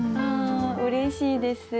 うれしいです。